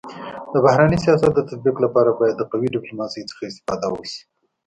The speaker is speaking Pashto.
د بهرني سیاست د تطبيق لپاره باید د قوي ډيپلوماسی څخه استفاده وسي.